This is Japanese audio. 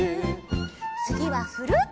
つぎはフルート！